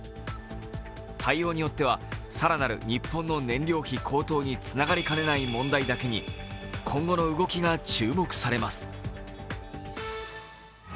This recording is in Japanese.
対応によっては、更なる日本の燃料費高騰につながりかねない問題だけに今後の動きが注目されます。